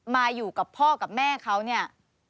มาอยู่กับพ่อกับแม่เขาเนี่ย